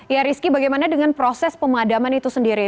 ya rizky bagaimana dengan proses pemadaman itu sendiri